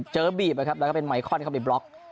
บีบนะครับแล้วก็เป็นไมคอนเข้าไปบล็อก